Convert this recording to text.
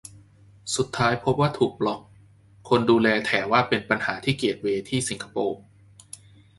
สุดท้ายพบว่าถูกบล็อค คนดูแลแถว่าเป็นปัญหาที่เกตเวย์ที่สิงคโปร์